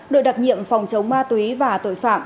đội đặc nhiệm phòng chống ma túy và tội phạm